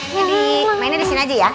jadi mainnya di sini aja ya